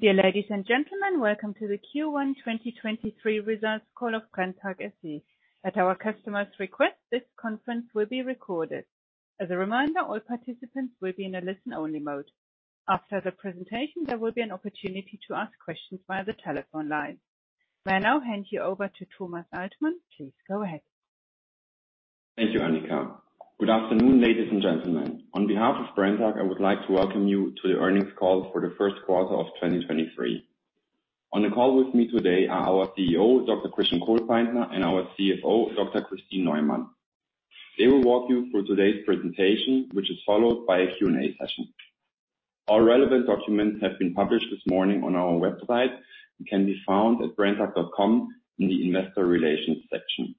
Dear ladies and gentlemen, welcome to the Q1 2023 results call of Brenntag SE. At our customer's request, this conference will be recorded. As a reminder, all participants will be in a listen-only mode. After the presentation, there will be an opportunity to ask questions via the telephone line. I now hand you over to Thomas Altmann. Please go ahead. Thank you, Annika. Good afternoon, ladies and gentlemen. On behalf of Brenntag, I would like to welcome you to the earnings call for the first quarter of 2023. On the call with me today are our CEO, Dr. Christian Kohlpaintner, and our CFO, Dr. Kristin Neumann. They will walk you through today's presentation, which is followed by a Q&A session. All relevant documents have been published this morning on our website and can be found at brenntag.com in the investor relations section.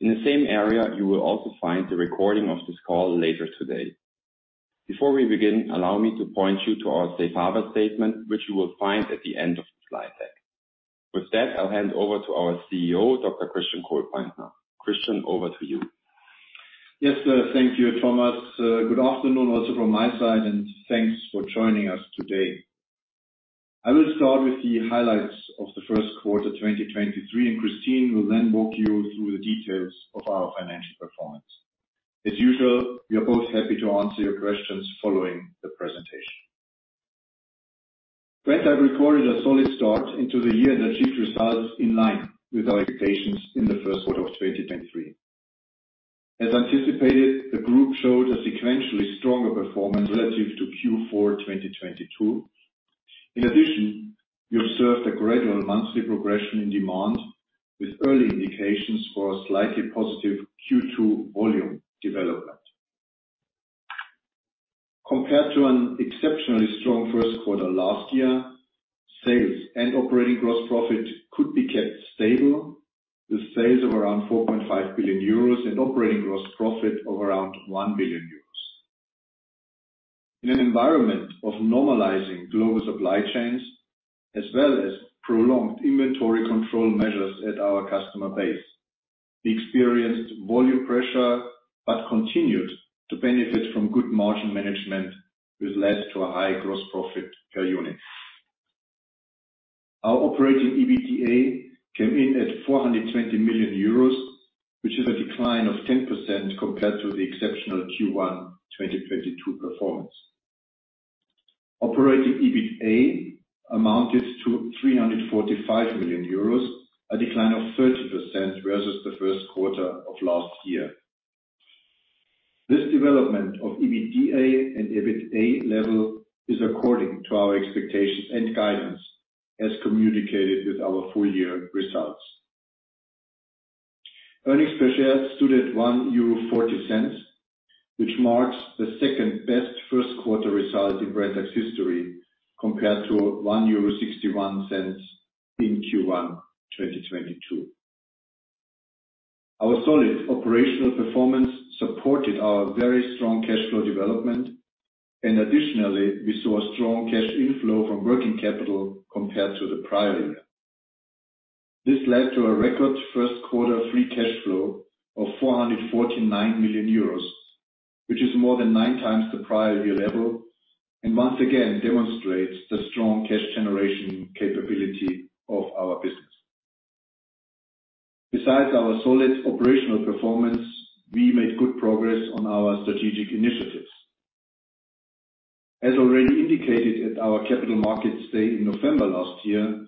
In the same area, you will also find the recording of this call later today. Before we begin, allow me to point you to our safe harbor statement, which you will find at the end of the slide deck. With that, I'll hand over to our CEO, Dr. Christian Kohlpaintner. Christian, over to you. Thank you, Thomas. Good afternoon also from my side, and thanks for joining us today. I will start with the highlights of the first quarter 2023, and Kristin will then walk you through the details of our financial performance. As usual, we are both happy to answer your questions following the presentation. Brenntag recorded a solid start into the year and achieved results in line with our expectations in the first quarter of 2023. As anticipated, the group showed a sequentially stronger performance relative to Q4 2022. In addition, we observed a gradual monthly progression in demand, with early indications for a slightly positive Q2 volume development. Compared to an exceptionally strong first quarter last year, sales and operating gross profit could be kept stable, with sales of around 4.5 billion euros and operating gross profit of around 1 billion euros. In an environment of normalizing global supply chains, as well as prolonged inventory control measures at our customer base, we experienced volume pressure, but continued to benefit from good margin management, which led to a high gross profit per unit. Our operating EBITDA came in at 420 million euros, which is a decline of 10% compared to the exceptional Q1 2022 performance. Operating EBITA amounted to 345 million euros, a decline of 30% versus the first quarter of last year. This development of EBITDA and EBITA level is according to our expectations and guidance, as communicated with our full year results. Earnings per share stood at 1.40 euro, which marks the second-best first quarter result in Brenntag's history, compared to 1.61 euro in Q1 2022. Our solid operational performance supported our very strong cash flow development, and additionally, we saw a strong cash inflow from working capital compared to the prior year. This led to a record first quarter free cash flow of 449 million euros, which is more than nine times the prior year level, and once again demonstrates the strong cash generation capability of our business. Besides our solid operational performance, we made good progress on our strategic initiatives. As already indicated at our capital markets day in November last year,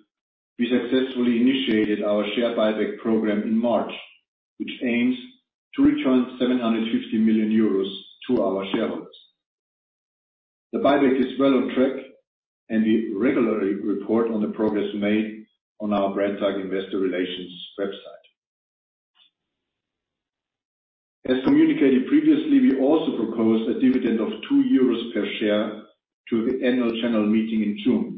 we successfully initiated our share buyback program in March, which aims to return 750 million euros to our shareholders. The buyback is well on track and we regularly report on the progress made on our Brenntag Investor Relations website. As communicated previously, we also proposed a dividend of 2 euros per share to the annual general meeting in June.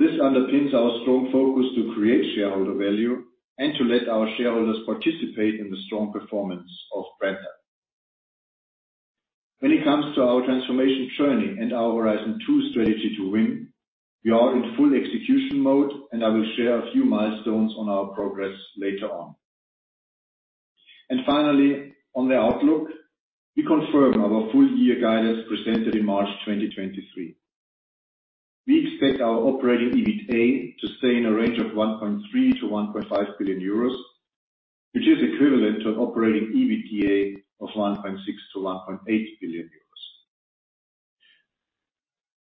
This underpins our strong focus to create shareholder value and to let our shareholders participate in the strong performance of Brenntag. When it comes to our transformation journey and our Horizon 2 Strategy to Win, we are in full execution mode, and I will share a few milestones on our progress later on. Finally, on the outlook, we confirm our full year guidance presented in March 2023. We expect our operating EBITA to stay in a range of 1.3 billion-1.5 billion euros, which is equivalent to an operating EBITDA of 1.6 billion-1.8 billion euros.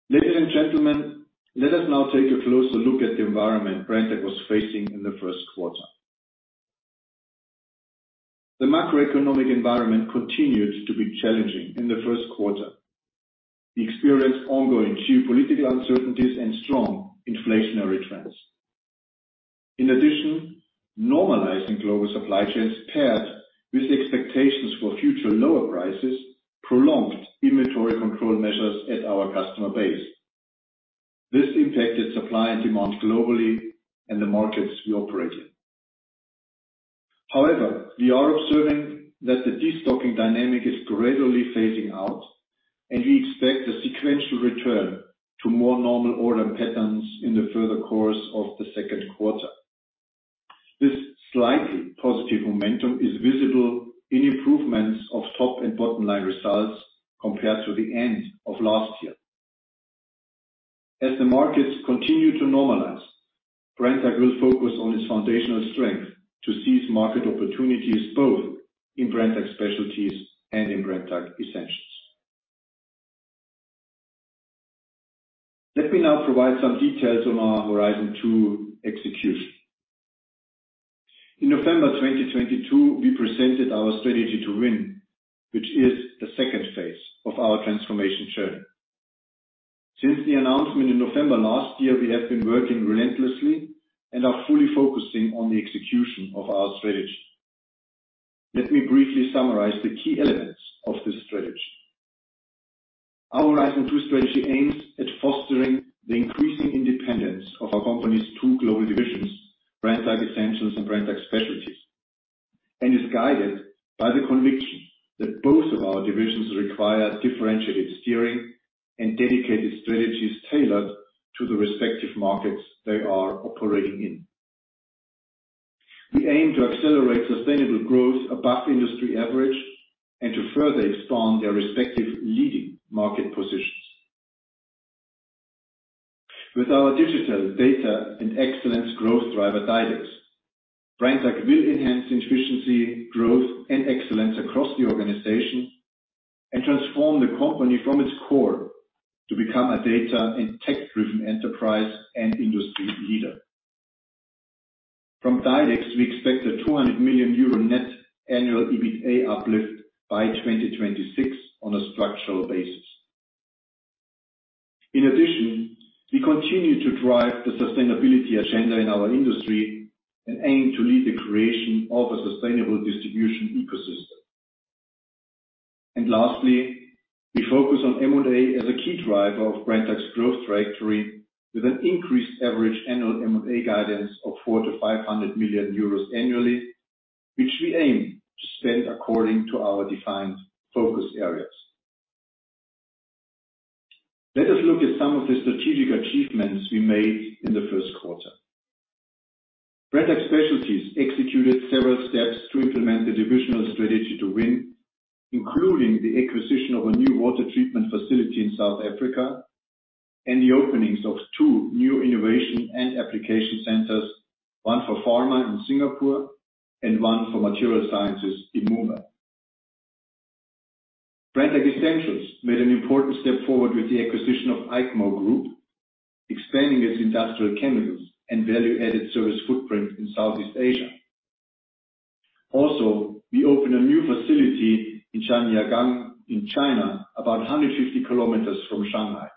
Ladies and gentlemen, let us now take a closer look at the environment Brenntag was facing in the first quarter. The macroeconomic environment continued to be challenging in the first quarter. We experienced ongoing geopolitical uncertainties and strong inflationary trends. In addition, normalizing global supply chains paired with expectations for future lower prices prolonged inventory control measures at our customer base. This impacted supply and demand globally and the markets we operate in. We are observing that the destocking dynamic is gradually phasing out, and we expect a sequential return to more normal order patterns in the further course of the second quarter. This slightly positive momentum is visible in improvements of top and bottom line results compared to the end of last year. As the markets continue to normalize, Brenntag will focus on its foundational strength to seize market opportunities both in Brenntag Specialties and in Brenntag Essentials. Let me now provide some details on our Horizon 2 execution. In November 2022, we presented our Strategy to Win, which is the second phase of our transformation journey. Since the announcement in November last year, we have been working relentlessly and are fully focusing on the execution of our strategy. Let me briefly summarize the key elements of this strategy. Our Horizon 2 strategy aims at fostering the increasing independence of our company's two global divisions, Brenntag Essentials and Brenntag Specialties, and is guided by the conviction that both of our divisions require differentiated steering and dedicated strategies tailored to the respective markets they are operating in. We aim to accelerate sustainable growth above industry average and to further expand their respective leading market positions. With our Digital.Data.Excellence growth driver, DiDEX, Brenntag will enhance efficiency, growth, and excellence across the organization and transform the company from its core to become a data and tech-driven enterprise and industry leader. From DiDEX, we expect a 200 million euro net annual EBITDA uplift by 2026 on a structural basis. We continue to drive the sustainability agenda in our industry and aim to lead the creation of a sustainable distribution ecosystem. Lastly, we focus on M&A as a key driver of Brenntag's growth trajectory with an increased average annual M&A guidance of 400 million-500 million euros annually, which we aim to spend according to our defined focus areas. Let us look at some of the strategic achievements we made in the first quarter. Brenntag Specialties executed several steps to implement the divisional Strategy to Win, including the acquisition of a new water treatment facility in South Africa and the openings of two new innovation and application centers, one for pharma in Singapore and one for material sciences in Mumbai. Brenntag Essentials made an important step forward with the acquisition of Eikmo Group, expanding its industrial chemicals and value-added service footprint in Southeast Asia. We opened a new facility in Zhangjiagang in China, about 150 kilometers from Shanghai.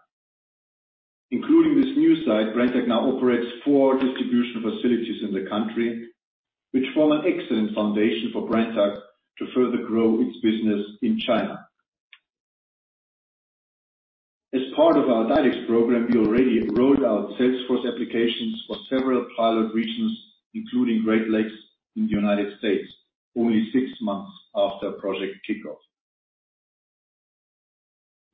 Including this new site, Brenntag now operates 4 distribution facilities in the country, which form an excellent foundation for Brenntag to further grow its business in China. As part of our DiDEX program, we already rolled out Salesforce applications for several pilot regions, including Great Lakes in the United States only 6 months after project kickoff.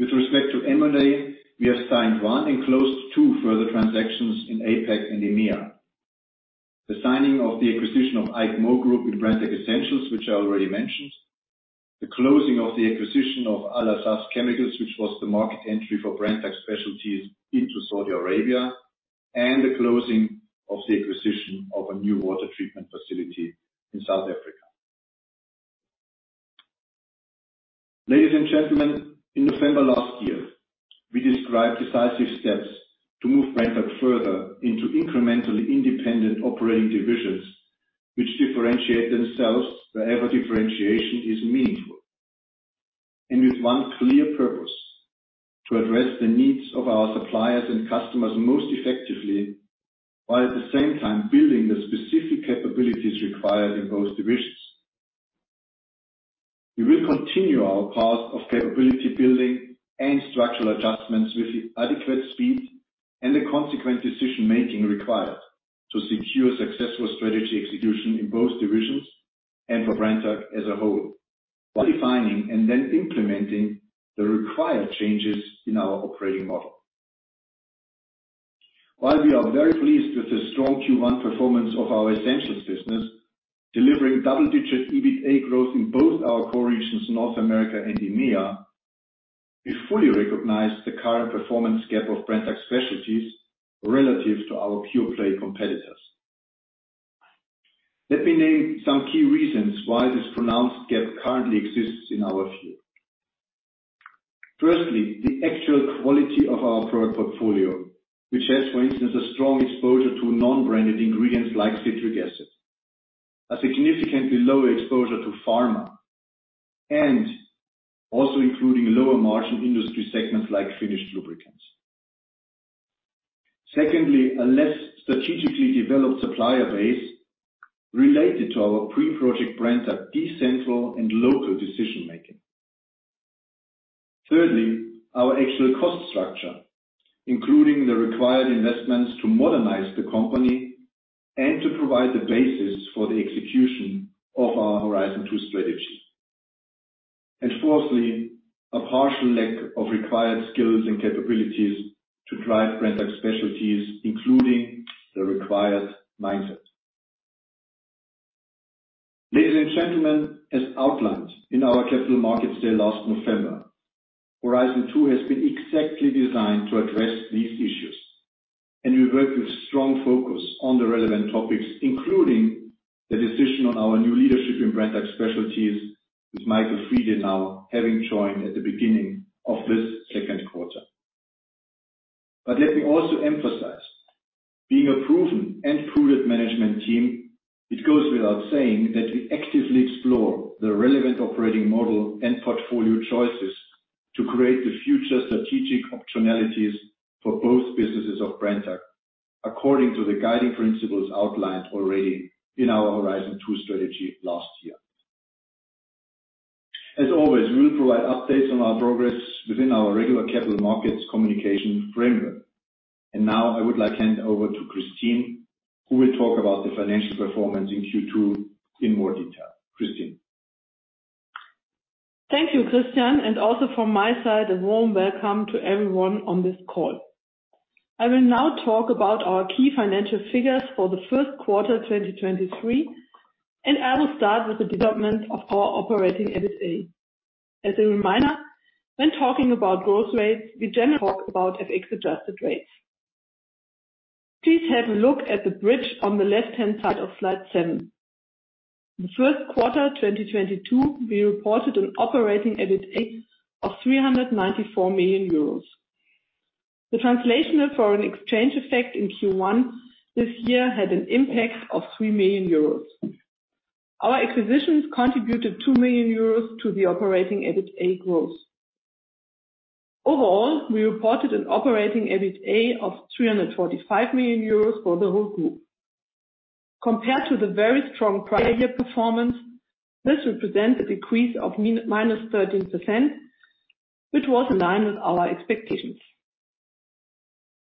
With respect to M&A, we have signed one and closed two further transactions in APAC and EMEA. The signing of the acquisition of Eikmo Group in Brenntag Essentials, which I already mentioned. The closing of the acquisition of Al Asaf Chemicals, which was the market entry for Brenntag Specialties into Saudi Arabia. The closing of the acquisition of a new water treatment facility in South Africa. Ladies and gentlemen, in November last year, we described decisive steps to move Brenntag further into incrementally independent operating divisions, which differentiate themselves wherever differentiation is meaningful and with one clear purpose: to address the needs of our suppliers and customers most effectively, while at the same time building the specific capabilities required in both divisions. We will continue our path of capability building and structural adjustments with the adequate speed and the consequent decision-making required to secure successful strategy execution in both divisions and for Brenntag as a whole, while defining and then implementing the required changes in our operating model. We are very pleased with the strong Q1 performance of our Essentials business, delivering double-digit EBITDA growth in both our core regions, North America and EMEA, we fully recognize the current performance gap of Brenntag Specialties relative to our pure-play competitors. Let me name some key reasons why this pronounced gap currently exists in our field. The actual quality of our product portfolio, which has, for instance, a strong exposure to non-branded ingredients like citric acid, a significantly lower exposure to pharma, and also including lower margin industry segments like finished lubricants. Secondly, a less strategically developed supplier base related to our pre-Project Brenntag decentral and local decision-making. Thirdly, our actual cost structure, including the required investments to modernize the company and to provide the basis for the execution of our Horizon 2 strategy. Fourthly, a partial lack of required skills and capabilities to drive Brenntag Specialties, including the required mindset. Ladies and gentlemen, as outlined in our capital markets day last November, Horizon 2 has been exactly designed to address these issues. We work with strong focus on the relevant topics, including the decision on our new leadership in Brenntag Specialties with Michael Friede now having joined at the beginning of this second quarter. Let me also emphasize being a proven and prudent management team, it goes without saying that we actively explore the relevant operating model and portfolio choices to create the future strategic optionalities for both businesses of Brenntag, according to the guiding principles outlined already in our Horizon 2 strategy last year. As always, we will provide updates on our progress within our regular capital markets communication framework. Now I would like to hand over to Kristin, who will talk about the financial performance in Q2 in more detail. Kristin. Thank you, Christian. Also from my side, a warm welcome to everyone on this call. I will now talk about our key financial figures for the first quarter 2023. I will start with the development of our operating EBITA. As a reminder, when talking about growth rates, we generally talk about FX adjusted rates. Please have a look at the bridge on the left-hand side of slide 7. The first quarter 2022, we reported an operating EBITA of 394 million euros. The translational foreign exchange effect in Q1 this year had an impact of 3 million euros. Our acquisitions contributed 2 million euros to the operating EBITA growth. Overall, we reported an operating EBITA of 345 million euros for the whole group. Compared to the very strong prior year performance, this represents a decrease of -13%, which was in line with our expectations.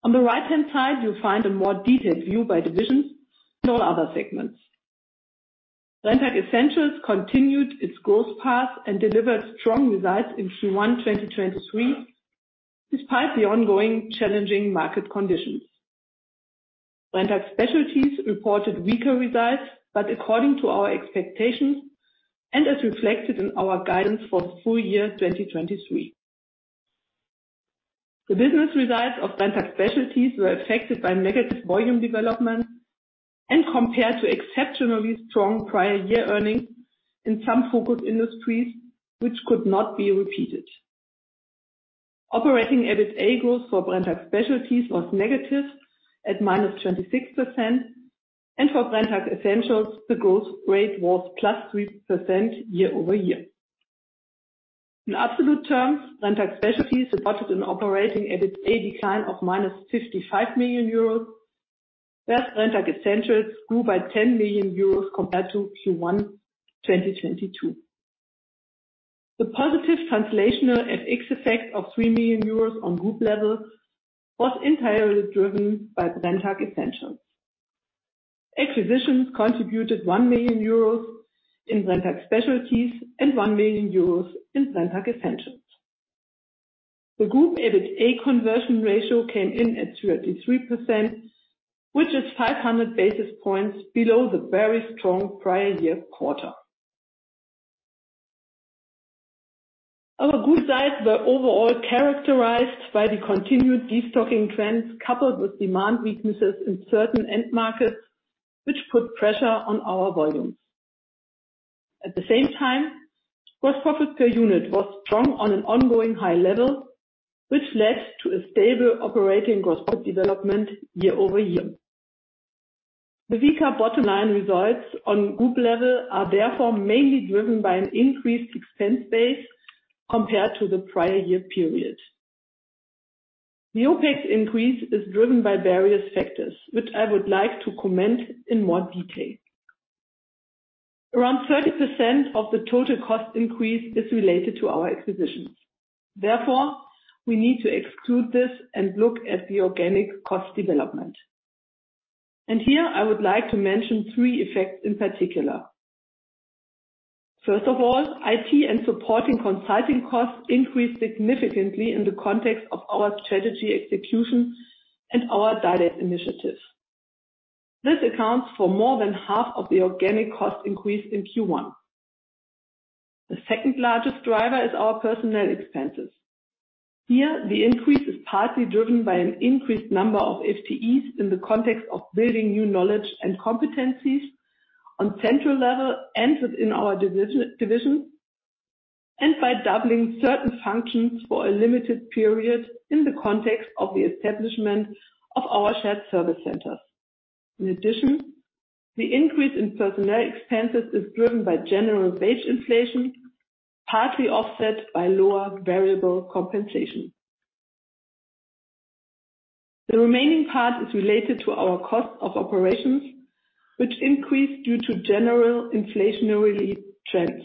On the right-hand side, you'll find a more detailed view by divisions and all other segments. Brenntag Essentials continued its growth path and delivered strong results in Q1, 2023, despite the ongoing challenging market conditions. Brenntag Specialties reported weaker results, according to our expectations and as reflected in our guidance for full year, 2023. The business results of Brenntag Specialties were affected by negative volume development and compared to exceptionally strong prior year earnings in some focus industries which could not be repeated. Operating EBITA growth for Brenntag Specialties was negative at -26%. For Brenntag Essentials, the growth rate was +3% year-over-year. In absolute terms, Brenntag Specialties reported an operating EBITA decline of minus 55 million euros, whereas Brenntag Essentials grew by 10 million euros compared to Q1, 2022. The positive translational FX effect of 3 million euros on group level was entirely driven by Brenntag Essentials. Acquisitions contributed 1 million euros in Brenntag Specialties and 1 million euros in Brenntag Essentials. The group EBITA conversion ratio came in at 33%, which is 500 basis points below the very strong prior year quarter. Our good sides were overall characterized by the continued destocking trends, coupled with demand weaknesses in certain end markets, which put pressure on our volumes. At the same time, gross profit per unit was strong on an ongoing high level, which led to a stable operating gross profit development year-over-year. The weaker bottom line results on group level are therefore mainly driven by an increased expense base compared to the prior year period. The OpEx increase is driven by various factors, which I would like to comment in more detail. Around 30% of the total cost increase is related to our acquisitions. Therefore, we need to exclude this and look at the organic cost development. Here I would like to mention three effects in particular. First of all, IT and supporting consulting costs increased significantly in the context of our strategy execution and our direct initiatives. This accounts for more than half of the organic cost increase in Q1. The second-largest driver is our personnel expenses. Here, the increase is partly driven by an increased number of FTEs in the context of building new knowledge and competencies on central level and within our division, and by doubling certain functions for a limited period in the context of the establishment of our shared service centers. The increase in personnel expenses is driven by general wage inflation, partly offset by lower variable compensation. The remaining part is related to our cost of operations, which increased due to general inflationary trends.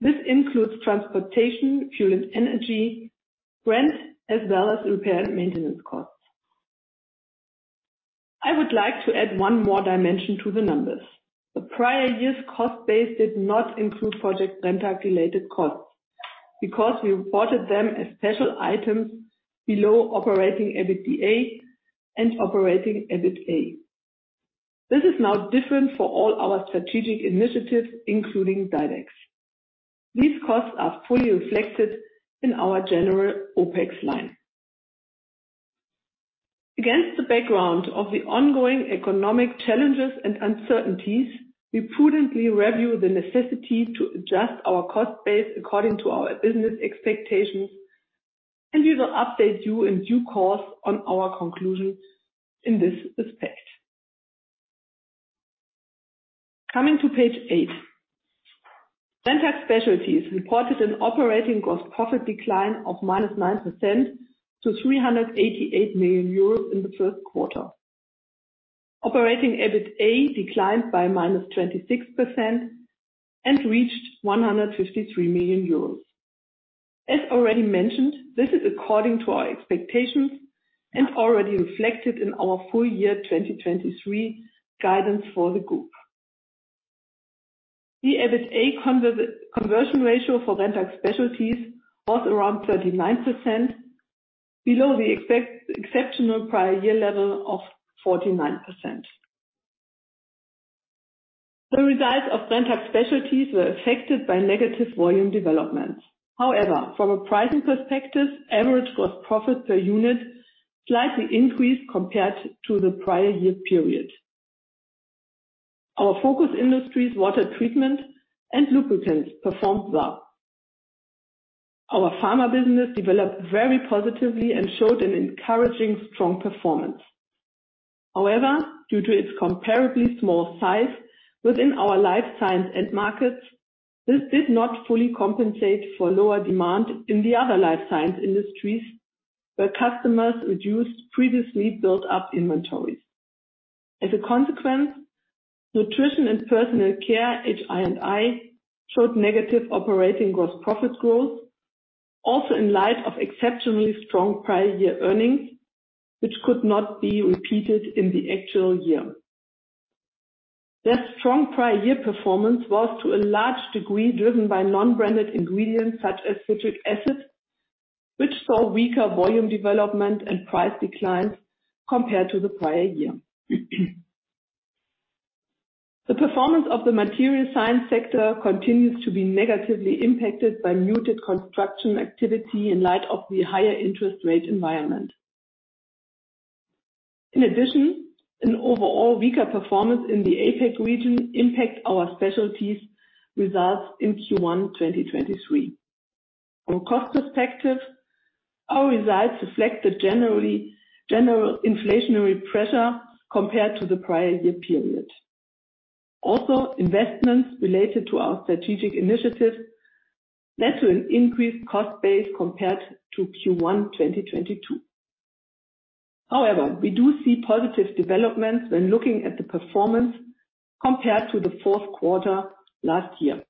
This includes transportation, fuel and energy, rent, as well as repair and maintenance costs. I would like to add one more dimension to the numbers. The prior year's cost base did not include Project Brenntag related costs because we reported them as special items below operating EBITDA and operating EBITA. This is now different for all our strategic initiatives, including DiDEX. These costs are fully reflected in our general OpEx line. Against the background of the ongoing economic challenges and uncertainties, we prudently review the necessity to adjust our cost base according to our business expectations, and we will update you in due course on our conclusions in this respect. Coming to page 8. Brenntag Specialties reported an operating gross profit decline of minus 9% to 388 million euros in the first quarter. Operating EBITA declined by minus 26% and reached 153 million euros. As already mentioned, this is according to our expectations and already reflected in our full year 2023 guidance for the group. The EBITA conversion ratio for Brenntag Specialties was around 39%, below the exceptional prior year level of 49%. The results of Brenntag Specialties were affected by negative volume developments. However, from a pricing perspective, average gross profit per unit slightly increased compared to the prior year period. Our focus industries, water treatment and lubricants, performed well. Our pharma business developed very positively and showed an encouraging strong performance. However, due to its comparatively small size within our life science end markets, this did not fully compensate for lower demand in the other life science industries where customers reduced previously built up inventories. As a consequence, nutrition and personal care, HI&I, showed negative operating gross profit growth, also in light of exceptionally strong prior year earnings, which could not be repeated in the actual year. That strong prior year performance was, to a large degree, driven by non-branded ingredients such as citric acid, which saw weaker volume development and price declines compared to the prior year. The performance of the material science sector continues to be negatively impacted by muted construction activity in light of the higher interest rate environment. In addition, an overall weaker performance in the APAC region impacts our Specialties results in Q1 2023. From a cost perspective, our results reflect the general inflationary pressure compared to the prior year period. Investments related to our strategic initiatives led to an increased cost base compared to Q1 2022. However, we do see positive developments when looking at the performance compared to the fourth quarter last year.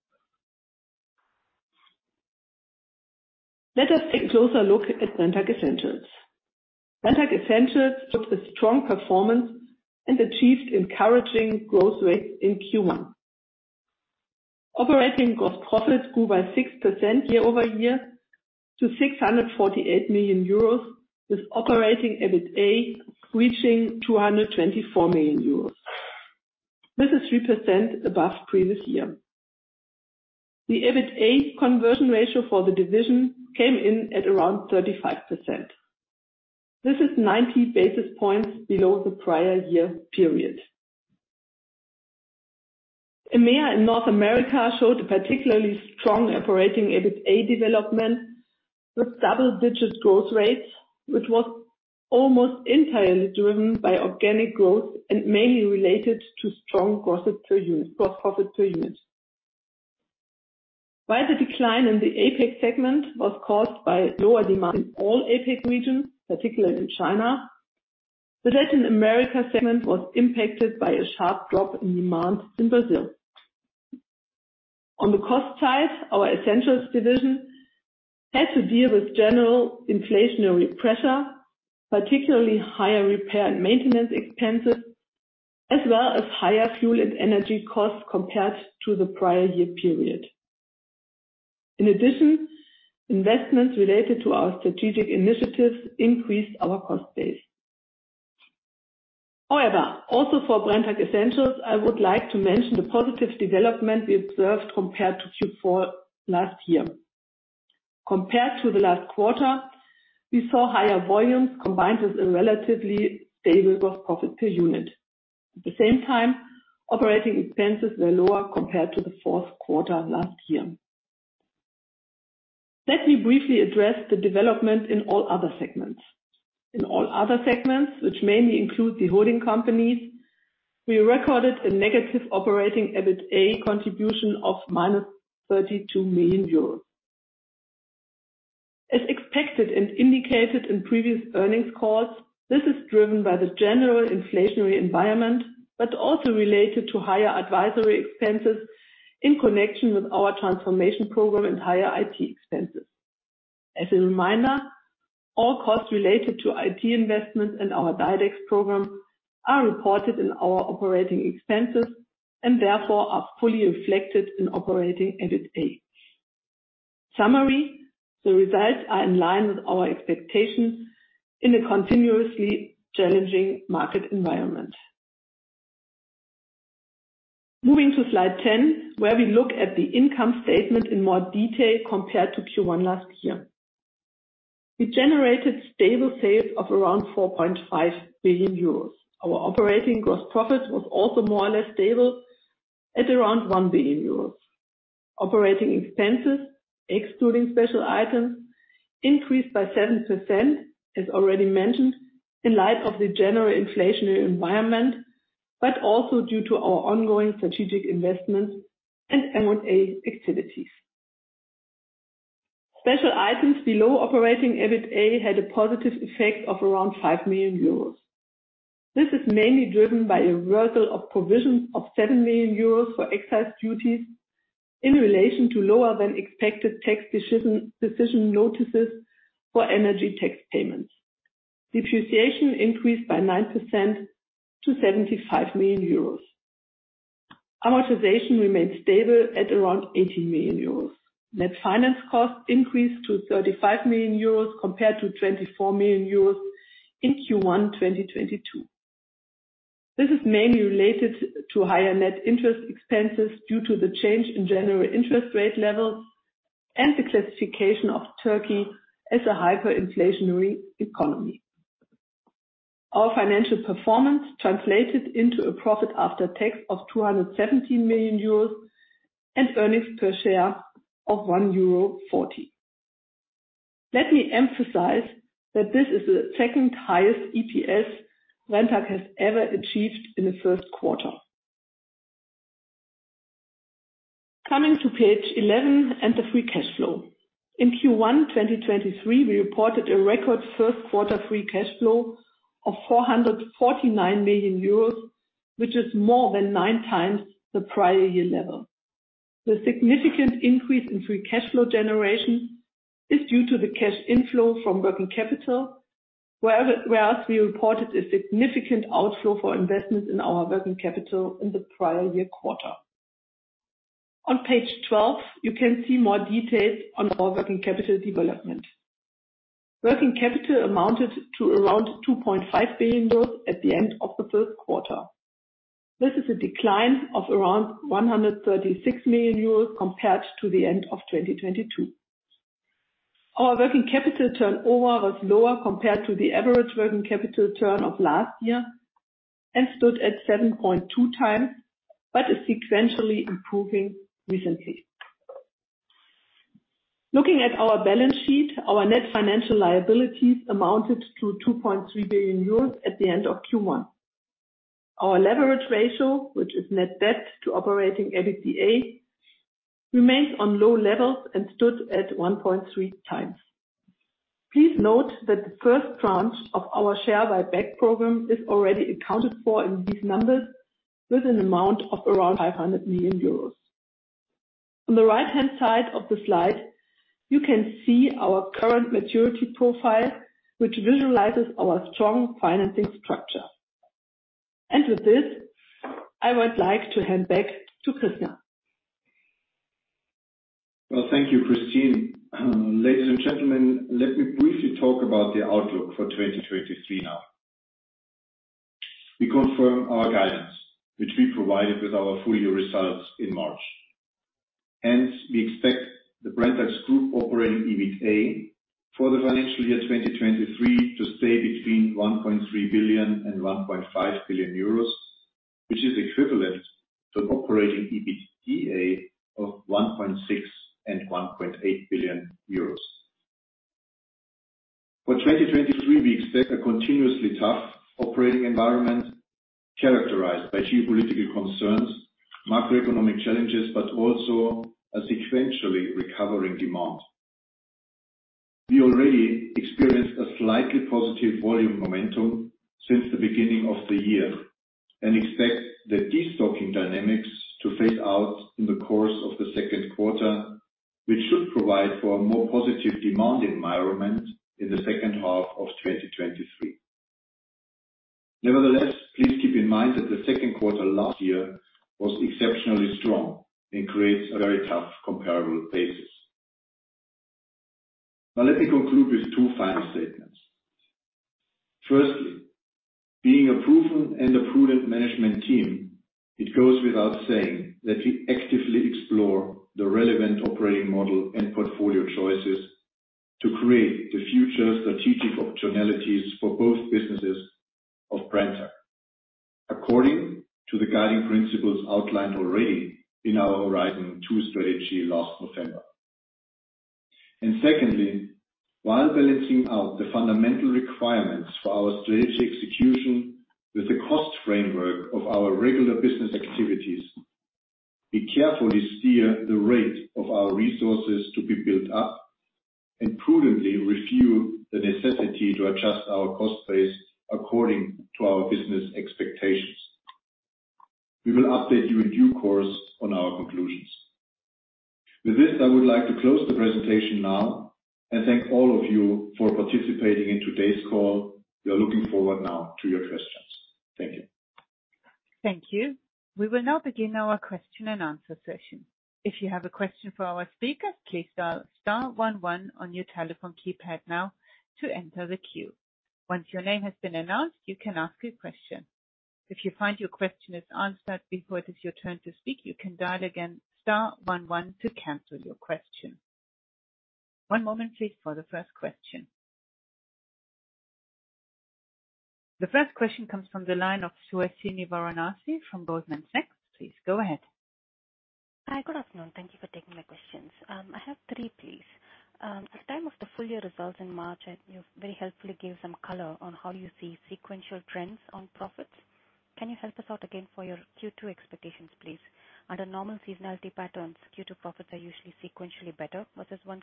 Let us take a closer look at Brenntag Essentials. Brenntag Essentials took a strong performance and achieved encouraging growth rates in Q1. Operating gross profits grew by 6% year-over-year to 648 million euros, with operating EBITA reaching 224 million euros. This is 3% above previous year. The EBITA conversion ratio for the division came in at around 35%. This is 90 basis points below the prior year period. EMEA and North America showed a particularly strong operating EBITA development with double digits growth rates, which was almost entirely driven by organic growth and mainly related to strong gross profit per unit. The decline in the APAC segment was caused by lower demand in all APAC regions, particularly in China, the Latin America segment was impacted by a sharp drop in demand in Brazil. On the cost side, our Essentials division had to deal with general inflationary pressure, particularly higher repair and maintenance expenses, as well as higher fuel and energy costs compared to the prior year period. Investments related to our strategic initiatives increased our cost base. However, also for Brenntag Essentials, I would like to mention the positive development we observed compared to Q4 last year. Compared to the last quarter, we saw higher volumes combined with a relatively stable gross profit per unit. At the same time, operating expenses were lower compared to the fourth quarter last year. Let me briefly address the development in all other segments. In all other segments, which mainly include the holding companies, we recorded a negative operating EBITA contribution of minus 32 million euros. As expected and indicated in previous earnings calls, this is driven by the general inflationary environment, but also related to higher advisory expenses in connection with our transformation program and higher IT expenses. As a reminder, all costs related to IT investments and our DiDEX program are reported in our operating expenses and therefore are fully reflected in operating EBITDA. Summary, the results are in line with our expectations in a continuously challenging market environment. Moving to slide 10, where we look at the income statement in more detail compared to Q1 last year. We generated stable sales of around 4.5 billion euros. Our operating gross profit was also more or less stable at around 1 billion euros. Operating expenses, excluding special items, increased by 7%, as already mentioned, in light of the general inflationary environment, but also due to our ongoing strategic investments and M&A activities. Special items below operating EBITDA had a positive effect of around 5 million euros. This is mainly driven by a reversal of provisions of 7 million euros for excise duties in relation to lower than expected tax decision notices for energy tax payments. Depreciation increased by 9% to 75 million euros. Amortization remained stable at around 18 million euros. Net finance costs increased to 35 million euros compared to 24 million euros in Q1 2022. This is mainly related to higher net interest expenses due to the change in general interest rate levels and the classification of Turkey as a hyperinflationary economy. Our financial performance translated into a profit after tax of 217 million euros and earnings per share of 1.40 euro. Let me emphasize that this is the second highest EPS Brenntag has ever achieved in the first quarter. Coming to page 11 and the free cash flow. In Q1 2023, we reported a record first quarter free cash flow of 449 million euros, which is more than 9 times the prior year level. The significant increase in free cash flow generation is due to the cash inflow from working capital, where else we reported a significant outflow for investments in our working capital in the prior year quarter. On page 12, you can see more details on our working capital development. Working capital amounted to around 2.5 billion euros at the end of the first quarter. This is a decline of around 136 million euros compared to the end of 2022. Our working capital turnover was lower compared to the average working capital turn of last year and stood at 7.2 times, but is sequentially improving recently. Looking at our balance sheet, our net financial liabilities amounted to 2.3 billion euros at the end of Q1. Our leverage ratio, which is net debt to operating EBITDA, remains on low levels and stood at 1.3 times. Please note that the first tranche of our share buyback program is already accounted for in these numbers with an amount of around 500 million euros. The right-hand side of the slide, you can see our current maturity profile, which visualizes our strong financing structure. With this, I would like to hand back to Christian. Well, thank you, Kristin. Ladies and gentlemen, let me briefly talk about the outlook for 2023 now. We confirm our guidance, which we provided with our full year results in March. We expect Brenntag's group operating EBITDA for the financial year 2023 to stay between 1.3 billion and 1.5 billion euros, which is equivalent to operating EBITDA of 1.6 billion and 1.8 billion euros. For 2023, we expect a continuously tough operating environment characterized by geopolitical concerns, macroeconomic challenges, but also a sequentially recovering demand. We already experienced a slightly positive volume momentum since the beginning of the year, and expect the destocking dynamics to phase out in the course of the second quarter, which should provide for a more positive demand environment in the second half of 2023. Nevertheless, please keep in mind that the second quarter last year was exceptionally strong and creates a very tough comparable basis. Let me conclude with two final statements. Firstly, being a proven and a prudent management team, it goes without saying that we actively explore the relevant operating model and portfolio choices to create the future strategic opportunities for both businesses of Brenntag, according to the guiding principles outlined already in our Horizon 2 strategy last November. Secondly, while balancing out the fundamental requirements for our strategic execution with the cost framework of our regular business activities, we carefully steer the rate of our resources to be built up and prudently review the necessity to adjust our cost base according to our business expectations. We will update you in due course on our conclusions. With this, I would like to close the presentation now and thank all of you for participating in today's call. We are looking forward now to your questions. Thank you. Thank you. We will now begin our question and answer session. If you have a question for our speakers, please dial star one one on your telephone keypad now to enter the queue. Once your name has been announced, you can ask your question. If you find your question is answered before it is your turn to speak, you can dial again star one one to cancel your question. One moment please for the first question. The first question comes from the line of Suhasini Varanasi from Goldman Sachs. Please go ahead. Hi. Good afternoon. Thank you for taking my questions. I have three, please. At the time of the full year results in March, you very helpfully gave some color on how you see sequential trends on profits. Can you help us out again for your Q2 expectations, please? Under normal seasonality patterns, Q2 profits are usually sequentially better versus 1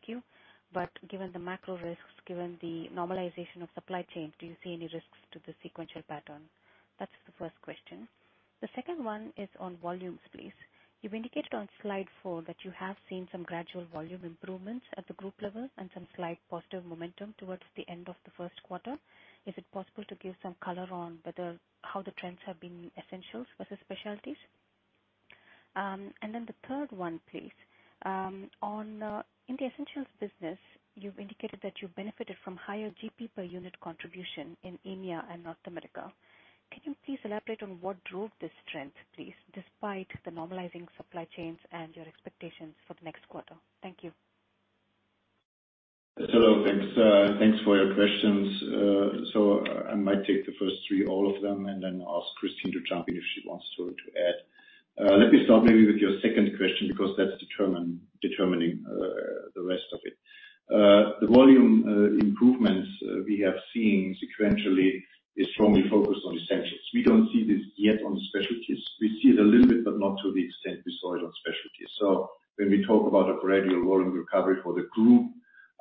Q. Given the macro risks, given the normalization of supply chain, do you see any risks to the sequential pattern? That's the first question. The second one is on volumes, please. You've indicated on slide 4 that you have seen some gradual volume improvements at the group level and some slight positive momentum towards the end of the first quarter. Is it possible to give some color on how the trends have been Essentials versus Specialties? Then the third one, please. In the Essentials business, you've indicated that you benefited from higher GP per unit contribution in EMEA and North America. Can you please elaborate on what drove this trend, please, despite the normalizing supply chains and your expectations for the next quarter? Thank you. Thanks, thanks for your questions. I might take the first three, all of them, and then ask Christine to jump in if she wants to add. Let me start maybe with your second question because that's determining the rest of it. The volume improvements we have seen sequentially is strongly focused on Essentials. We don't see this yet on Specialties. We see it a little bit, but not to the extent we saw it on Specialties. When we talk about a gradual volume recovery for the group,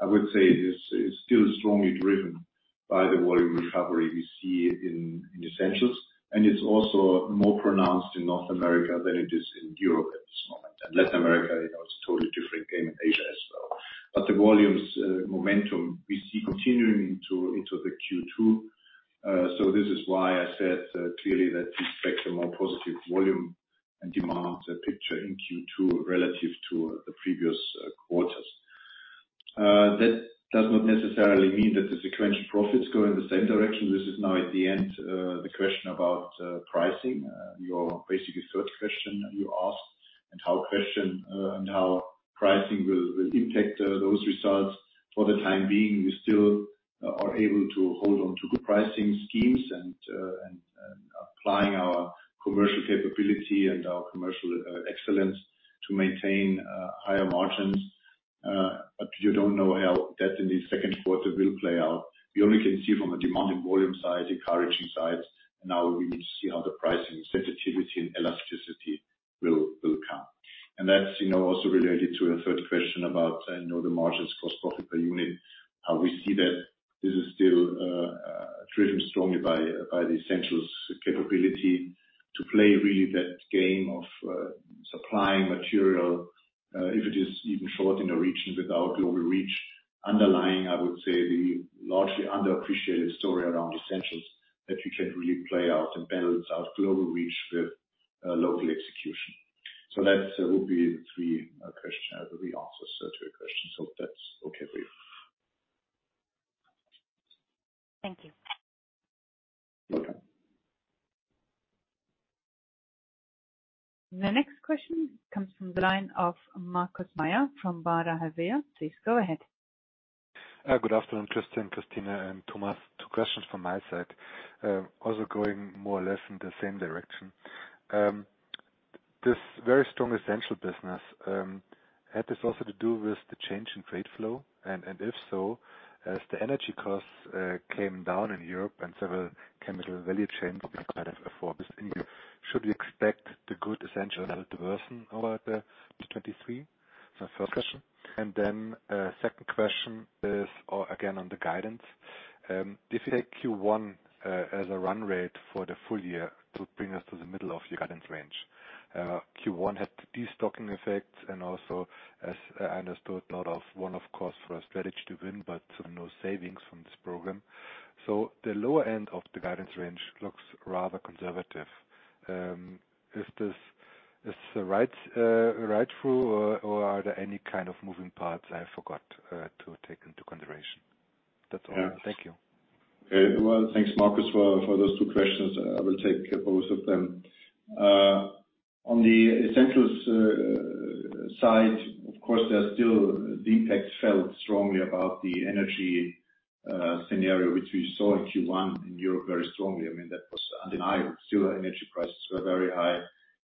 I would say it's still strongly driven by the volume recovery we see in Essentials, and it's also more pronounced in North America than it is in Europe at this moment. Latin America, you know, it's a totally different game, in Asia as well. The volumes, momentum we see continuing into the Q2. This is why I said, clearly that we expect a more positive volume and demand, picture in Q2 relative to the previous, quarters. That does not necessarily mean that the sequential profits go in the same direction. This is now at the end, the question about, pricing, your basically third question you asked and how question, and how pricing will impact, those results. For the time being, we still are able to hold on to good pricing schemes and applying our commercial capability and our commercial, excellence to maintain, higher margins. You don't know how that in the second quarter will play out. We only can see from a demand and volume side, encouraging sides. Now we need to see how the pricing sensitivity and elasticity will come. That's, you know, also related to your third question about, I know the margins cost profit per unit, how we see that this is still driven strongly by the Essentials capability to play really that game of supplying material, if it is even short in a region with our global reach. Underlying, I would say, the largely underappreciated story around Essentials that we can really play out and balance out global reach with local execution. That will be the three question, the answer to your question. If that's okay with you. Thank you. Okay. The next question comes from the line of Markus Mayer from Baader Bank. Please go ahead. Good afternoon, Tristan, Christina, and Thomas. Two questions from my side. Also going more or less in the same direction. This very strong Essential business had this also to do with the change in trade flow? And if so, as the energy costs came down in Europe and several chemical value chains will be quite affordable in Europe, should we expect the good Essential level to worsen over the 2023? It's my first question. Second question is again on the guidance. If you take Q1 as a run rate for the full year to bring us to the middle of your guidance range, Q1 had the destocking effects and also, as I understood, a lot of, one, of course, for our Strategy to Win, but no savings from this program. The lower end of the guidance range looks rather conservative. Is this the right right through or are there any kind of moving parts I forgot to take into consideration? That's all. Thank you. Well, thanks, Markus, for those two questions. I will take both of them. On the Essentials side, of course, there are still the impact felt strongly about the energy scenario which we saw in Q1 in Europe very strongly. I mean, that was undeniable. Still, our energy prices were very high.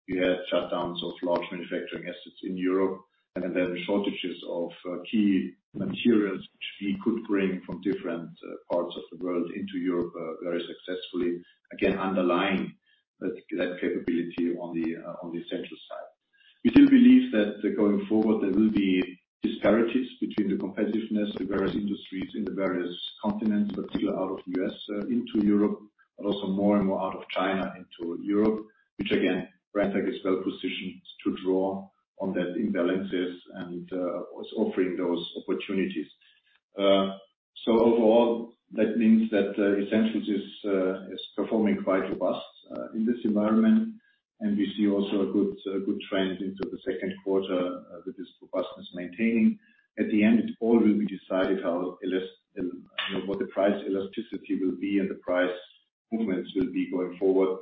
We had shutdowns of large manufacturing assets in Europe and then shortages of key materials which we could bring from different parts of the world into Europe very successfully. Again, underlying that capability on the Essentials side. We still believe that going forward, there will be disparities between the competitiveness of the various industries in the various continents, but still out of U.S. into Europe, but also more and more out of China into Europe, which again, LANXESS is well-positioned to draw on that imbalances and is offering those opportunities. Overall, that means that Essentials is performing quite robust in this environment. We see also a good trend into the second quarter with this robustness maintaining. At the end, it all will be decided how, you know, what the price elasticity will be and the price movements will be going forward.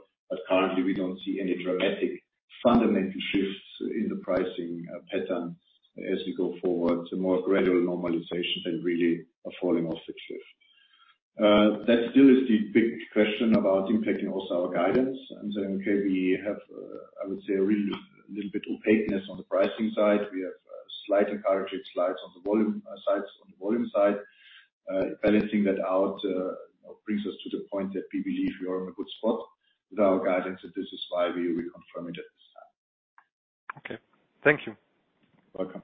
Currently, we don't see any dramatic fundamental shifts in the pricing pattern as we go forward to more gradual normalization than really a falling off the cliff. That still is the big question about impacting also our guidance and saying, okay, we have, I would say, a really little bit opaqueness on the pricing side. We have slight encouraging slides on the volume side. Balancing that out, you know, brings us to the point that we believe we are in a good spot with our guidance, and this is why we reconfirm it at this time. Okay. Thank you. Welcome.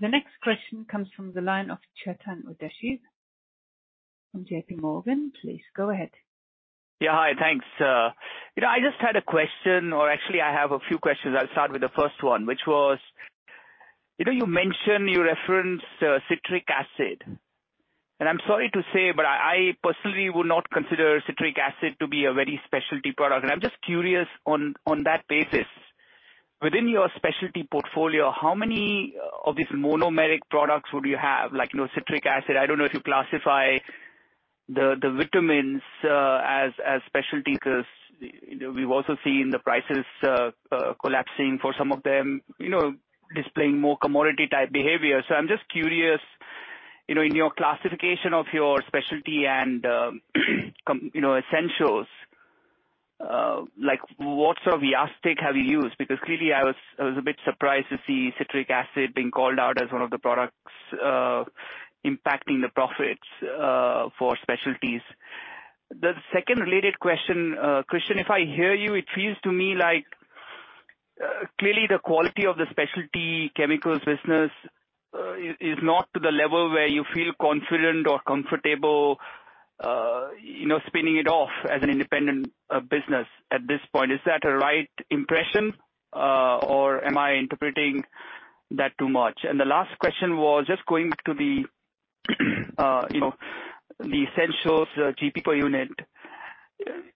The next question comes from the line of Chetan Udeshi from J.P. Morgan. Please go ahead. Yeah. Hi, thanks. You know, I just had a question or actually I have a few questions. I'll start with the first one, which was, you know, you mentioned you referenced citric acid, and I'm sorry to say, but I personally would not consider citric acid to be a very specialty product. I'm just curious on that basis, within your specialty portfolio, how many of these monomeric products would you have, like, you know, citric acid? I don't know if you classify the vitamins as specialty 'cause, you know, we've also seen the prices collapsing for some of them, you know, displaying more commodity type behavior. I'm just curious, you know, in your classification of your specialty and, you know, essentials, like what sort of elastic have you used? Clearly I was a bit surprised to see citric acid being called out as one of the products impacting the profits for specialties. The second related question, Christian, if I hear you, it feels to me like clearly the quality of the specialty chemicals business is not to the level where you feel confident or comfortable, you know, spinning it off as an independent business at this point. Is that a right impression, or am I interpreting that too much? The last question was just going to the, you know, the essentials GP per unit.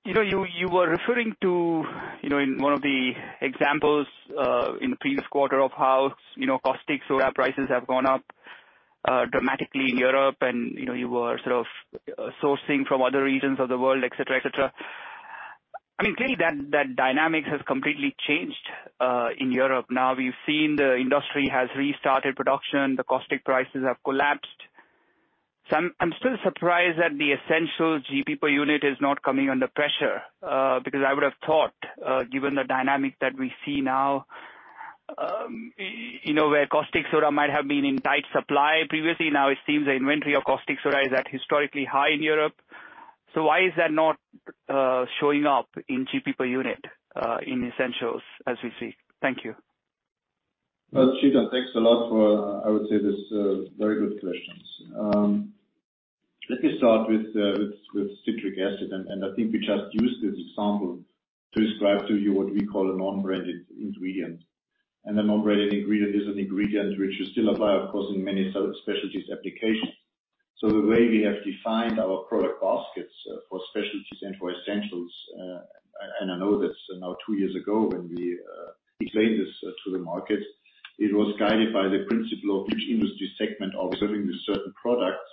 You know, you were referring to, you know, in one of the examples in the previous quarter of how, you know, caustic soda prices have gone up dramatically in Europe and, you know, you were sort of sourcing from other regions of the world, et cetera. I mean, clearly that dynamic has completely changed in Europe. Now, we've seen the industry has restarted production. The caustic prices have collapsed. I'm still surprised that the Essentials GP per unit is not coming under pressure because I would have thought, given the dynamic that we see now, you know, where caustic soda might have been in tight supply previously, now it seems the inventory of caustic soda is at historically high in Europe. Why is that not showing up in GP per unit in Essentials as we speak? Thank you. Well, Chetan, thanks a lot for, I would say, this very good questions. Let me start with citric acid, and I think we just used this example to describe to you what we call a non-branded ingredient. A non-branded ingredient is an ingredient which is still applied, of course, in many Specialties applications. The way we have defined our product baskets for Specialties and for Essentials, and I know this now two years ago when we explained this to the market, it was guided by the principle of each industry segment observing the certain products,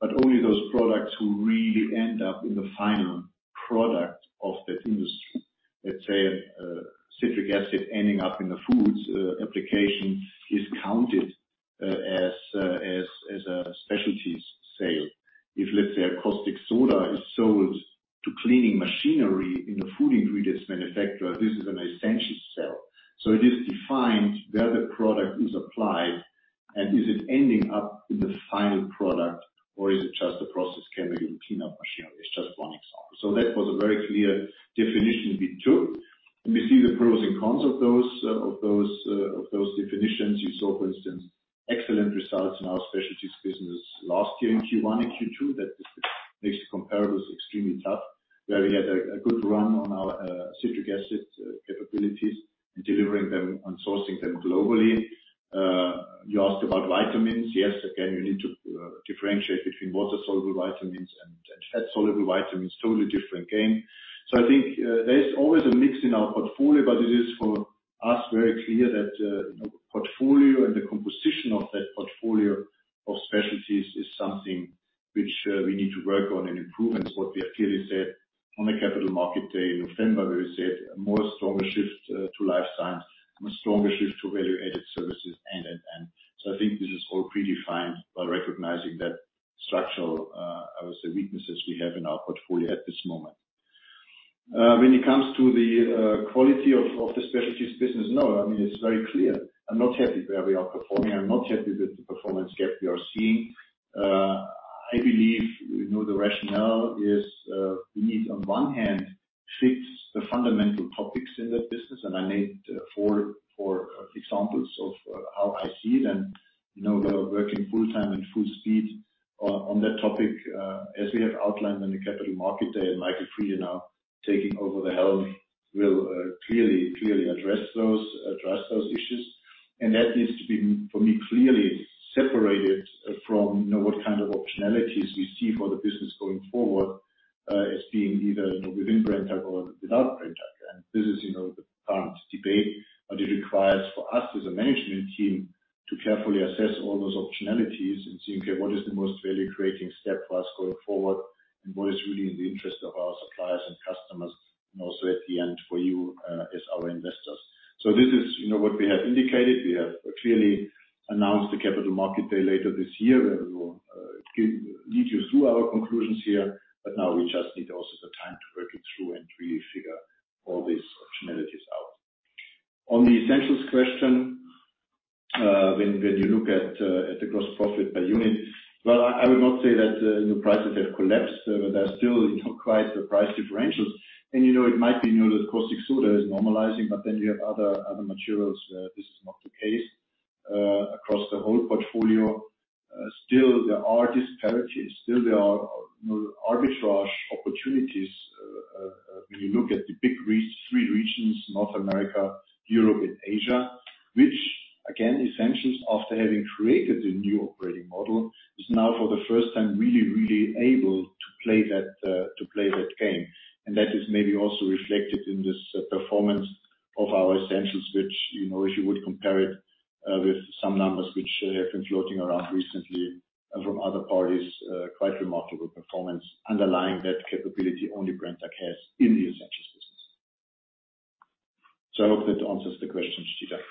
but only those products who really end up in the final product of that industry. Let's say, citric acid ending up in the foods application is counted as a Specialties sale. If, let's say, a caustic soda is sold to cleaning machinery in a food ingredients manufacturer, this is an essential sale. It is defined where the product is applied and is it ending up in the final product or is it just a process chemical in cleanup machinery? It's just one example. That was a very clear definition we took. We see the pros and cons of those definitions. You saw, for instance, excellent results in our Specialties business last year in Q1 and Q2. That makes the comparables extremely tough, where we had a good run on our citric acid capabilities and delivering them and sourcing them globally. You asked about vitamins. Yes, again, you need to differentiate between water-soluble vitamins and fat-soluble vitamins. Totally different game. I think there is always a mix in our portfolio, but it is for us very clear that, you know, portfolio and the composition of that portfolio of Specialties is something which we need to work on and improve. It's what we have clearly said on the capital market day in November, where we said a more stronger shift to lifestyles and a stronger shift to value-added services and an end. I think this is all predefined by recognizing that structural, I would say weaknesses we have in our portfolio at this moment. When it comes to the quality of the Specialties business. No, I mean, it's very clear. I'm not happy where we are performing. I'm not happy with the performance gap we are seeing. I believe, you know, the rationale is, we need on one hand, fix the fundamental topics in that business, and I made four examples of how I see it. You know, we are working full-time and full speed on that topic as we have outlined in the capital market day. Michael Friede now taking over the helm will clearly address those issues. That needs to be, for me, clearly separated from, you know, what kind of optionalities we see for the business going forward as being either, you know, within Brenntag or without Brenntag. This is, you know, the current debate. It requires for us as a management team to carefully assess all those optionalities and seeing, okay, what is the most value-creating step for us going forward, and what is really in the interest of our suppliers and customers, and also at the end for you, as our investors. This is, you know, what we have indicated. We have clearly announced the capital market day later this year, where we will lead you through our conclusions here, but now we just need also the time to work it through and really figure all these optionalities out. On the Essentials question, when you look at the gross profit by unit. Well, I would not say that, you know, prices have collapsed. There are still, you know, quite the price differentials. You know, it might be, you know, that caustic soda is normalizing, but then you have other materials, this is not the case across the whole portfolio. Still there are disparities. Still there are, you know, arbitrage opportunities. When you look at the three regions, North America, Europe and Asia, which again, Essentials, after having created the new operating model, is now for the first time, really able to play that to play that game. That is maybe also reflected in this performance of our Essentials, which, you know, if you would compare it with some numbers which have been floating around recently from other parties, quite remarkable performance underlying that capability only Brenntag has in the Essentials business. I hope that answers the question, Chetan.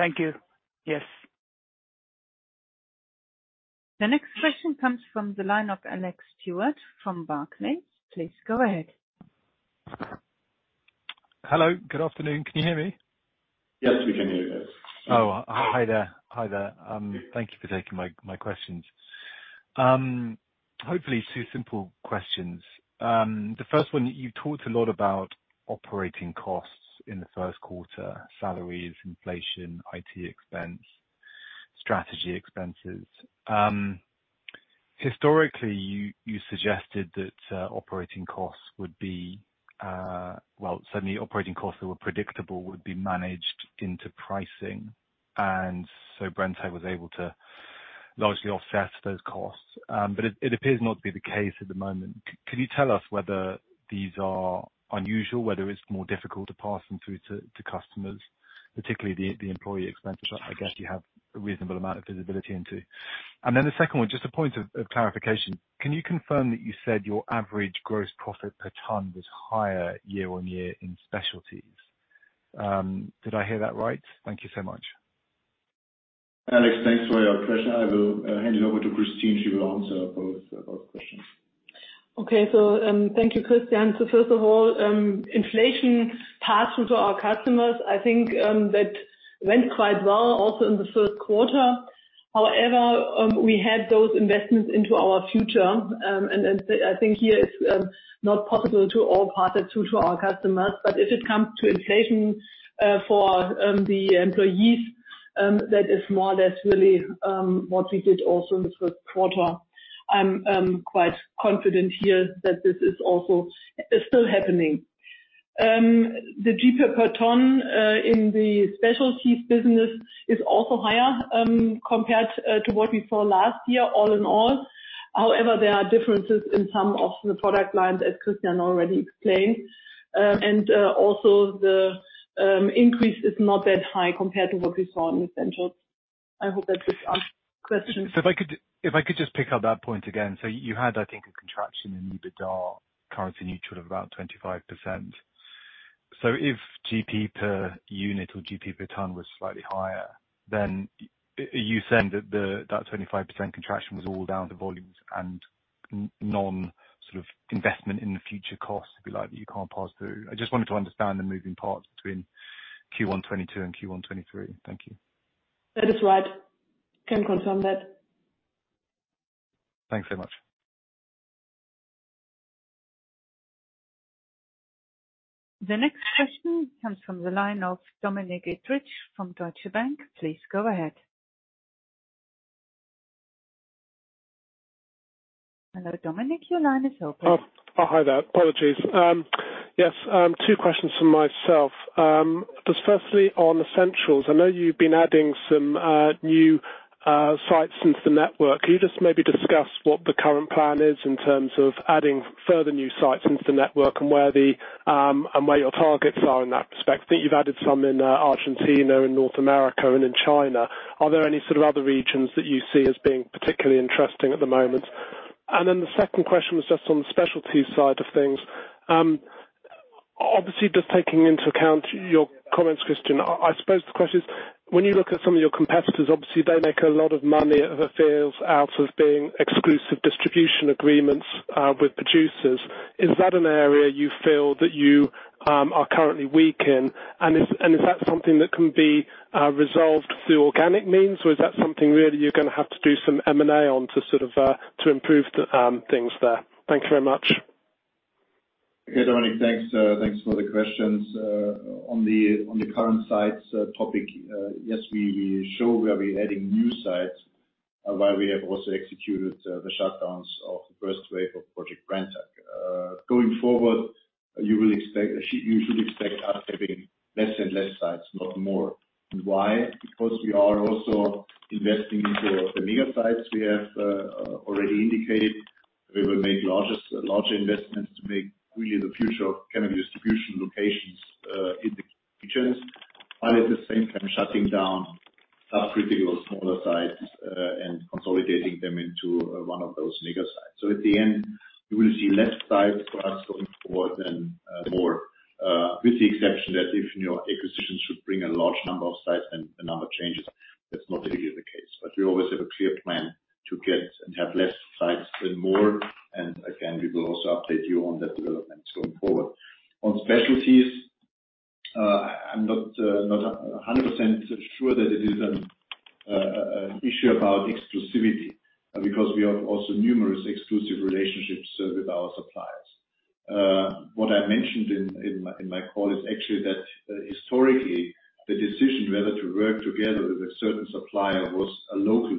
Thank you. Yes. The next question comes from the line of Alex Stewart from Barclays. Please go ahead. Hello. Good afternoon. Can you hear me? Yes, we can hear you. Hi there. Hi there. Thank you for taking my questions. Hopefully two simple questions. The first one, you talked a lot about operating costs in the first quarter: salaries, inflation, IT expense, strategy expenses. Historically, you suggested that, well, certainly operating costs that were predictable would be managed into pricing. Brenntag was able to largely offset those costs. It appears not to be the case at the moment. Could you tell us whether these are unusual, whether it's more difficult to pass them through to customers, particularly the employee expenses, which I guess you have a reasonable amount of visibility into. The second one, just a point of clarification. Can you confirm that you said your average gross profit per ton was higher year-over-year in Specialties? Did I hear that right? Thank you so much. Alex, thanks for your question. I will hand it over to Kristin. She will answer both questions. Okay. Thank you, Christian. First of all, inflation passed through to our customers. I think that went quite well also in the first quarter. However, we had those investments into our future. I think here it's not possible to all pass it through to our customers. If it comes to inflation for the employees, that is more or less really what we did also in the first quarter. I'm quite confident here that this is also still happening. The GP per unit in the Specialties business is also higher compared to what we saw last year all in all. However, there are differences in some of the product lines, as Christian already explained. Also the increase is not that high compared to what we saw in Essentials. I hope that this answers your question. If I could just pick up that point again. You had, I think, a contraction in EBITDA currency neutral of about 25%. If GP per unit or GP per ton was slightly higher, then you're saying that the, that 25% contraction was all down to volumes and non sort of investment in the future costs, if you like, that you can't pass through. I just wanted to understand the moving parts between Q1 2022 and Q1 2023. Thank you. That is right. Can confirm that. Thanks so much. The next question comes from the line of Dominic Edridge from Deutsche Bank. Please go ahead. Hello, Dominic, your line is open. Hi there. Apologies. Yes, two questions from myself. Just firstly, on Essentials, I know you've been adding some new sites into the network. Can you just maybe discuss what the current plan is in terms of adding further new sites into the network and where your targets are in that respect? I think you've added some in Argentina, in North America, and in China. Are there any sort of other regions that you see as being particularly interesting at the moment? The second question was just on the Specialties side of things. Obviously, just taking into account your comments, Christian, I suppose the question is: When you look at some of your competitors, obviously they make a lot of money it feels out of being exclusive distribution agreements with producers. Is that an area you feel that you are currently weak in? Is that something that can be resolved through organic means, or is that something really you're gonna have to do some M&A on to sort of to improve the things there? Thank you very much. Okay, Dominic, thanks for the questions. On the current sites, topic, yes, we show where we're adding new sites and why we have also executed the shutdowns of the first wave of Project BrandTech. Going forward, you should expect us having less and less sites, not more. Why? Because we are also investing into the mega sites we have already indicated. We will make larger investments to make really the future of chemical distribution locations in the future, while at the same time shutting down pretty little smaller sites and consolidating them into one of those mega sites. At the end, you will see less sites for us going forward than more, with the exception that if new acquisitions should bring a large number of sites, then the number changes. That's not really the case. We always have a clear plan to get and have less sites than more. Again, we will also update you on that development going forward. On Specialties, I'm not not 100% sure that it is an issue about exclusivity, because we have also numerous exclusive relationships with our suppliers. What I mentioned in my call is actually that historically, the decision whether to work together with a certain supplier was a local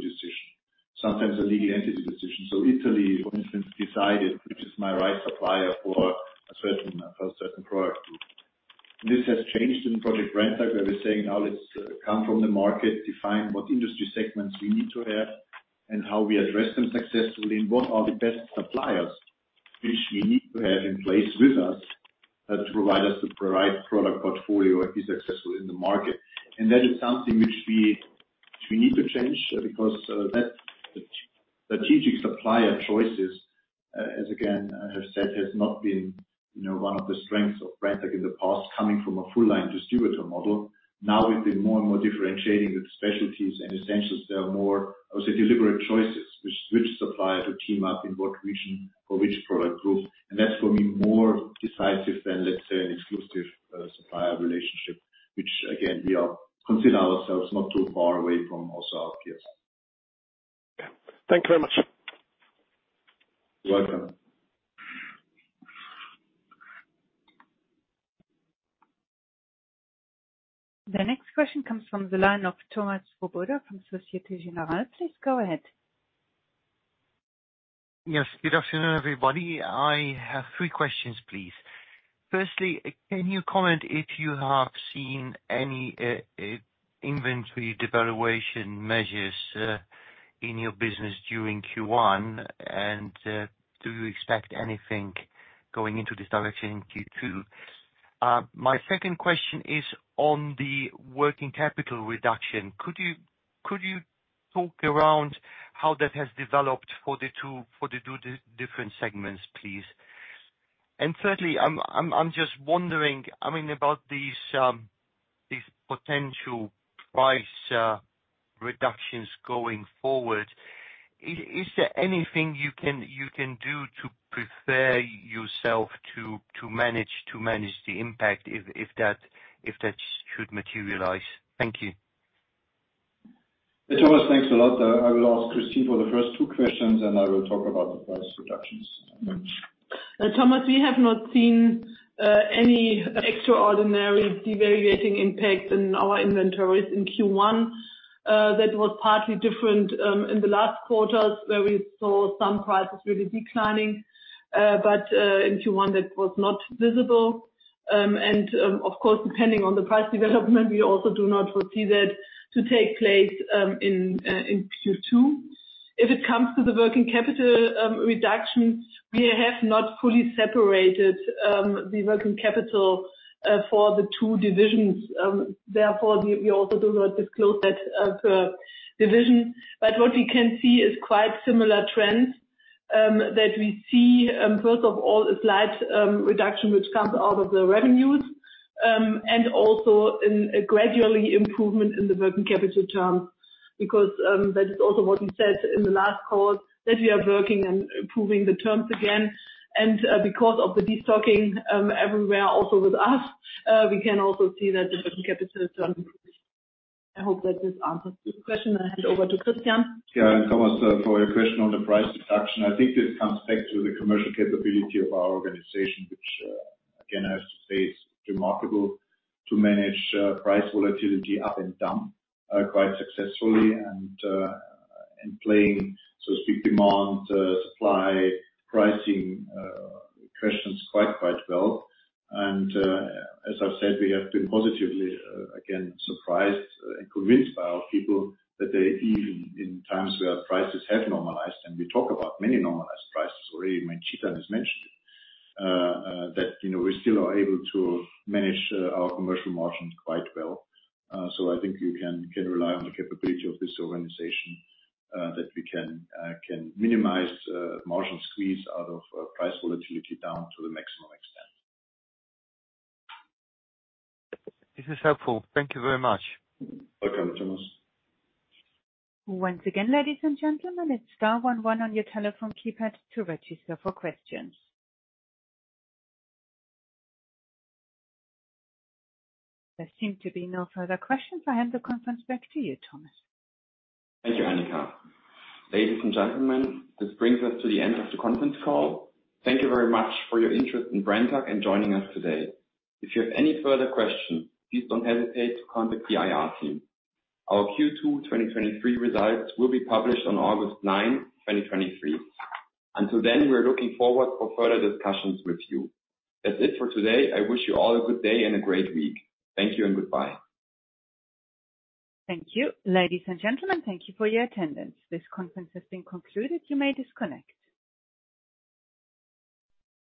decision, sometimes a legal entity decision. Italy, for instance, decided which is my right supplier for a certain product group. This has changed in Project Brenntag, where we're saying now let's come from the market, define what industry segments we need to have and how we address them successfully, what are the best suppliers which we need to have in place with us to provide us the right product portfolio and be successful in the market. That is something which we need to change because that strategic supplier choices, as again, I have said, has not been, you know, one of the strengths of Brenntag in the past, coming from a full line distributor model. Now we've been more and more differentiating with Brenntag Specialties and Brenntag Essentials. There are more, I would say, deliberate choices which supplier to team up in what region for which product group. That's for me, more decisive than, let's say, an exclusive supplier relationship, which again, we consider ourselves not too far away from also our peers. Thank you very much. You're welcome. The next question comes from the line of Thomas Swoboda from Societe Generale. Please go ahead. Yes, good afternoon, everybody. I have three questions, please. Firstly, can you comment if you have seen any inventory devaluation measures in your business during Q1? Do you expect anything going into this direction in Q2? My second question is on the working capital reduction. Could you talk around how that has developed for the two different segments, please? Thirdly, I'm just wondering, I mean, about these potential price reductions going forward. Is there anything you can do to prepare yourself to manage the impact if that should materialize? Thank you. Hey, Thomas. Thanks a lot. I will ask Kristin for the first two questions. I will talk about the price reductions. Thomas, we have not seen any extraordinary devaluating impact in our inventories in Q1. That was partly different in the last quarters, where we saw some prices really declining. In Q1 that was not visible. Of course, depending on the price development, we also do not foresee that to take place in Q2. If it comes to the working capital reduction, we have not fully separated the working capital for the two divisions. Therefore, we also do not disclose that per division. What we can see is quite similar trends that we see, first of all, a slight reduction which comes out of the revenues, and also in a gradually improvement in the working capital term. That is also what we said in the last call, that we are working on improving the terms again. Because of the destocking everywhere also with us, we can also see that the working capital term. I hope that this answers your question. I hand over to Christian. Yeah. Thomas, for your question on the price reduction, I think this comes back to the commercial capability of our organization, which again, I have to say it's remarkable to manage price volatility up and down quite successfully and playing, so to speak, demand, supply pricing questions quite well. As I've said, we have been positively again surprised and convinced by our people that they even in times where prices have normalized, and we talk about many normalized prices already, when Chetan has mentioned it, that, you know, we still are able to manage our commercial margins quite well. I think you can rely on the capability of this organization that we can minimize margin squeeze out of price volatility down to the maximum extent. This is helpful. Thank you very much. Welcome, Thomas. Once again, ladies and gentlemen, it's star one one on your telephone keypad to register for questions. There seem to be no further questions. I hand the conference back to you, Thomas. Thank you, Annika. Ladies and gentlemen, this brings us to the end of the conference call. Thank you very much for your interest in BrandTech and joining us today. If you have any further questions, please don't hesitate to contact the IR team. Our Q2 2023 results will be published on August nine, 2023. We are looking forward for further discussions with you. That's it for today. I wish you all a good day and a great week. Thank you and goodbye. Thank you. Ladies and gentlemen, thank you for your attendance. This conference has been concluded. You may disconnect.